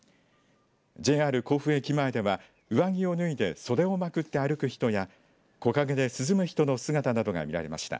ＪＲ甲府駅前では上着を脱いで袖をまくって歩く人や木陰で涼む人の姿などが見られました。